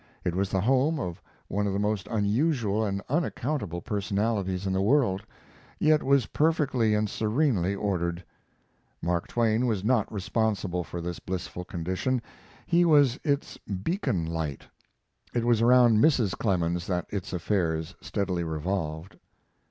It was the home of one of the most unusual and unaccountable personalities in the world, yet was perfectly and serenely ordered. Mark Twain was not responsible for this blissful condition. He was its beacon light; it was around Mrs. Clemens that its affairs steadily revolved.